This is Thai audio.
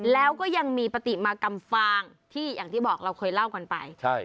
แล้วก็ยังมีปฏิมากรรมฟางที่อย่างที่บอกเราเคยเล่ากันไป